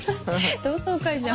同窓会じゃん。